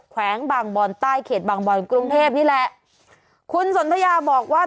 แขวงบางบอนใต้เขตบางบอนกรุงเทพนี่แหละคุณสนทยาบอกว่า